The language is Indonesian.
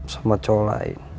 sama cowok lain